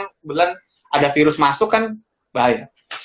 kebetulan ada virus masuk kan bahaya